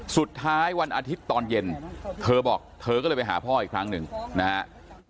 วันอาทิตย์ตอนเย็นเธอบอกเธอก็เลยไปหาพ่ออีกครั้งหนึ่งนะฮะ